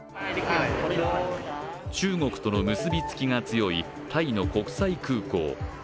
中国との結びつきが強いタイの国際空港。